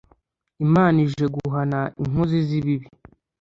imana ije guhana inkozi z'ibibi